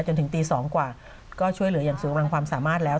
จนถึงตี๒กว่าก็ช่วยเหลืออย่างสูงกำลังความสามารถแล้ว